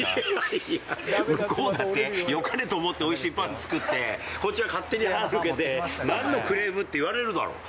向こうだって、よかれと思っておいしいパン作って、こっちが勝手に歯抜けて、何のクレームっていわれるだろ。